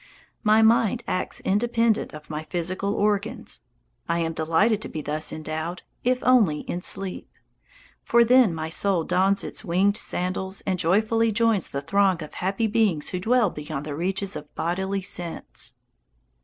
My mind acts independent of my physical organs. I am delighted to be thus endowed, if only in sleep; for then my soul dons its winged sandals and joyfully joins the throng of happy beings who dwell beyond the reaches of bodily sense.